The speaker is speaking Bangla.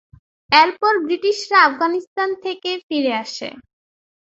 এরপর ব্রিটিশরা আফগানিস্তান থেকে ফিরে আসে।